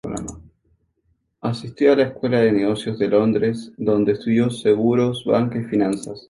Asistió a la Escuela de Negocios de Londres, donde estudió Seguros, Banca y Finanzas.